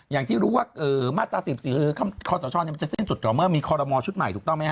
อย่างที่รู้ว่าเอ่อมาตราสิบสี่คอสชเนี่ยมันจะเส้นจุดกล่อเมื่อมีคอลโรมอลชุดใหม่ถูกต้องไหมฮะ